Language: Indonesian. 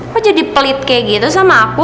kok jadi pelit kayak gitu sama aku